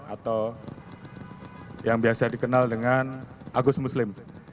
atau yang biasa dikenal dengan agus muslim